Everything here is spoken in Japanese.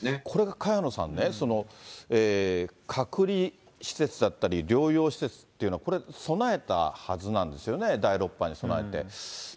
これが萱野さんね、隔離施設だったり、療養施設っていうのは、これ、備えたはずなんですよね、第６波に備えて。